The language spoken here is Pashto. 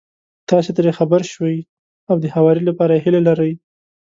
تاسې ترې خبر شوي او د هواري لپاره يې هيله لرئ.